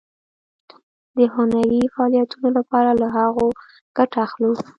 د هنري فعالیتونو لپاره له هغو ګټه اخلو.